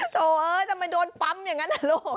โถเออทำไมโดนปั๊มอย่างนั้นนะลูก